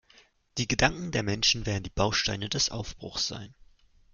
Die Gedanken der Menschen werden die Bausteine des Aufbruchs sein.